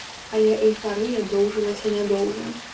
Але эйфарыя доўжылася нядоўга.